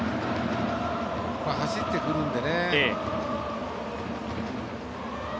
走ってくるので。